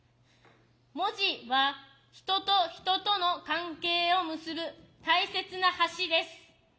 「文字」は「人と人との関係を結ぶ大切な橋」です。